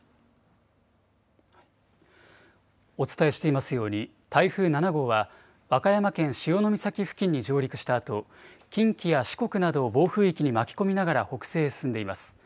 お伝えしていますように、台風７号は、和歌山県潮岬付近に上陸したあと、近畿や四国などを暴風域に巻き込みながら北西へ進んでいます。